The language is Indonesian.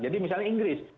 jadi misalnya inggris